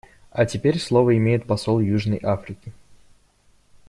А теперь слово имеет посол Южной Африки.